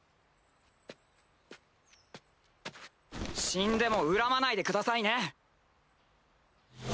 死んでも恨まないでくださいね！